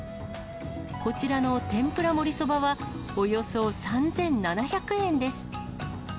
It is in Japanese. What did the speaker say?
こちらの天ぷらもりそばは、およそ３７００円です。